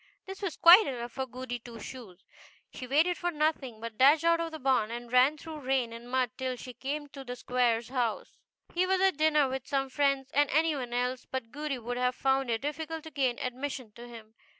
This was quite enough for Goody Two Shoes. She waited for nothing, but dashed out of the barn, and ran through rain and mud till she came to the Squire's house. He was at dinner with some friends, and any one else but Goody would have found it difficult to gain admission to him.